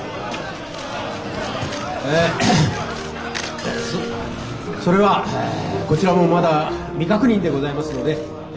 えそれはこちらもまだ未確認でございますのでえ